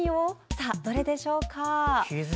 さあ、どれでしょうか。